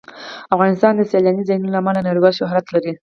افغانستان د سیلاني ځایونو له امله نړیوال شهرت لري.